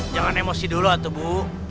jangan emosi dulu atau bu